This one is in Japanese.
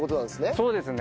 そうですね。